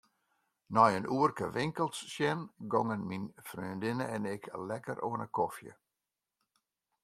Nei in oerke winkels sjen gongen myn freondinne en ik lekker oan 'e kofje.